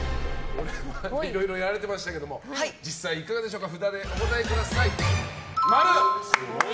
これはいろいろやられてましたけども実際いかがでしょうか。